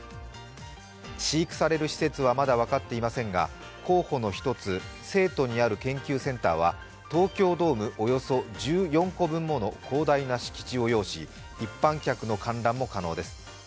飼育される施設はまだ分かっていませんが、候補の１つ成都にある研究センターは東京ドームおよそ１４個分もの広大な敷地を擁し一般客の観覧も可能です。